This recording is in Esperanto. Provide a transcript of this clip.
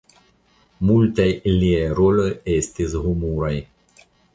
Multaj liaj roloj estis humuraj.